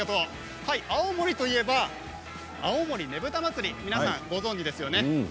青森といえば、青森ねぶた祭り皆さんご存じですよね。